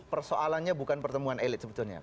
persoalannya bukan pertemuan elit sebetulnya